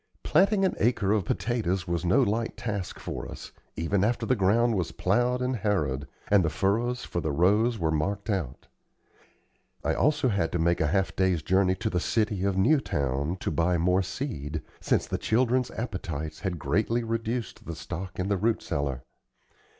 Planting an acre of potatoes was no light task for us, even after the ground was plowed and harrowed, and the furrows for the rows were marked out. I also had to make a half day's journey to the city of Newtown to buy more seed, since the children's appetites had greatly reduced the stock in the root cellar.